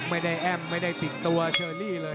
ไม่ได้แอ้มไม่ได้ติดตัวเชอรี่เลย